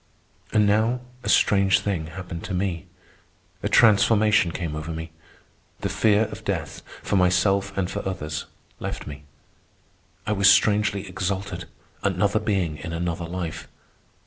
And now a strange thing happened to me. A transformation came over me. The fear of death, for myself and for others, left me. I was strangely exalted, another being in another life.